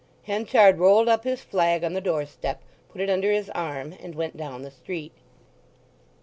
Henchard rolled up his flag on the doorstep, put it under his arm, and went down the street.